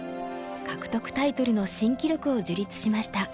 獲得タイトルの新記録を樹立しました。